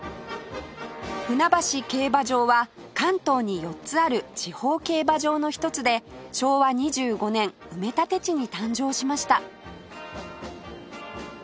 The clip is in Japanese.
船橋競馬場は関東に４つある地方競馬場の一つで昭和２５年埋め立て地に誕生しました